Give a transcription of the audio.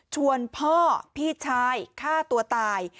พ่อพี่ชายฆ่าตัวตาย